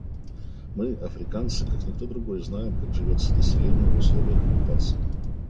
Мы, африканцы, как никто другой знаем, как живется населению в условиях оккупации.